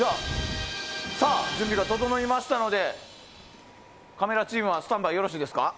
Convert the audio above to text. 準備が整いましたのでカメラチームはスタンバイよろしいですか。